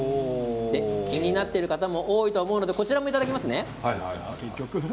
気になっている方も多いと思うのでこちらもいただきますね。